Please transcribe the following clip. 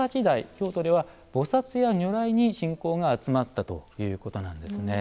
京都では菩薩や如来に信仰が集まったということなんですね。